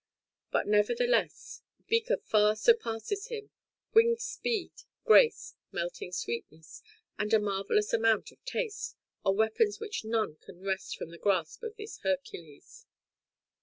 But nevertheless, Beecke far surpasses him winged speed, grace, melting sweetness, and a marvellous amount of taste, are weapons which none can wrest from the grasp of this Hercules."